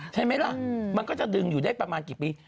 ใช่ไหมล่ะมันก็จะดึงอยู่ได้ประมาณกี่ปี